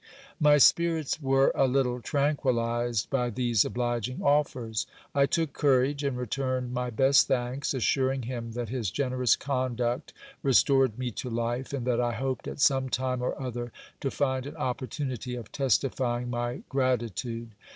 My spirits were a little tranquillized by these obliging offers. I took courage and returned my best thanks, assuring him that his generous conduct restored me to life, and that I hoped at some time or other to find an opportunity of testifying my gratitude.